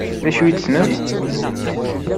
D acu ay d-tennamt?